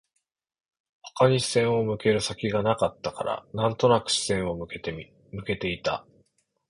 他に視線を向ける先がなかったから、なんとなく視線を向けていた